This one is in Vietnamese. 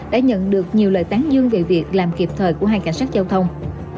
đã nhận được nhiều lời tán dương về việc làm kịp thời của hai cảnh sát giao thông